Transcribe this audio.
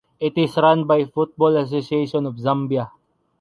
It is run by the Football association of Zambia.